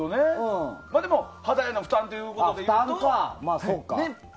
でも、肌への負担ということでいうと。